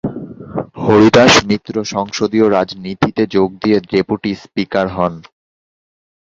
হরিদাস মিত্র সংসদীয় রাজনীতিতে যোগ দিয়ে ডেপুটি স্পীকার হন।